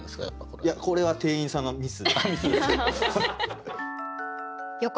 いやこれは店員さんのミス。